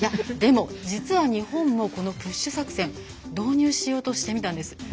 でも、実は日本もこのプッシュ作戦導入しようとしてみたんです。